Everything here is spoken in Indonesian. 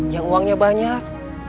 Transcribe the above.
yang uangnya banyak